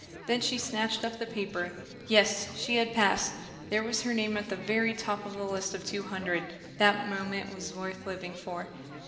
Then she snatched up the paper. Yes, she had passed there was her name at the very top of a list of two hundred! That moment was worth living for.